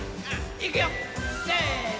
いくよせの！